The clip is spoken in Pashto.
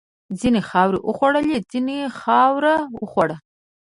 ځینو خاورې وخوړلې، ځینو خاوره وخوړه.